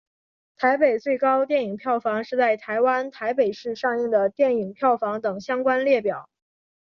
台北最高电影票房是在台湾台北市上映的电影票房等相关列表。